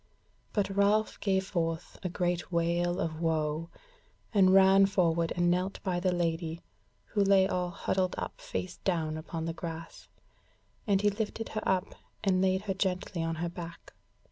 But Ralph gave forth a great wail of woe, and ran forward and knelt by the Lady, who lay all huddled up face down upon the grass, and he lifted her up and laid her gently on her back.